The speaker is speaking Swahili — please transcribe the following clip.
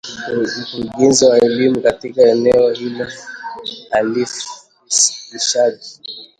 Mkurugenzi wa elimu katika eneo hilo Halif ishaq